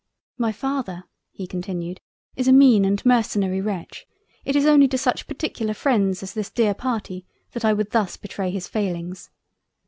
"My Father (he continued) is a mean and mercenary wretch—it is only to such particular freinds as this Dear Party that I would thus betray his failings.